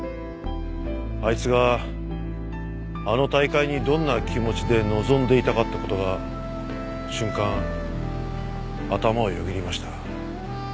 あいつがあの大会にどんな気持ちで臨んでいたかって事が瞬間頭をよぎりました。